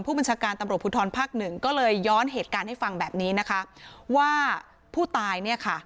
ผู้บัญชาการตำรวจภูทรภาคหนึ่งก็เลยย้อนเหตุการณ์ให้ฟังแบบนี้นะคะว่าผู้ตายเนี่ยค่ะ